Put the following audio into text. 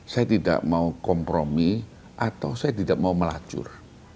saya tidak mau kompromi atau saya tidak mau melacur